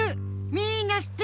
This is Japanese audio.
みんなしってる。